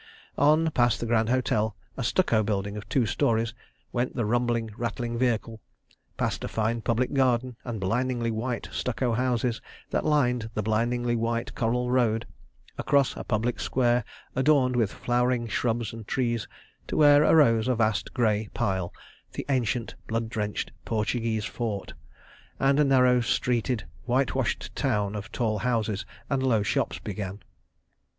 On, past the Grand Hotel, a stucco building of two storeys, went the rumbling, rattling vehicle, past a fine public garden and blindingly white stucco houses that lined the blindingly white coral road, across a public square adorned with flowering shrubs and trees, to where arose a vast grey pile, the ancient blood drenched Portuguese fort, and a narrow streeted, whitewashed town of tall houses and low shops began.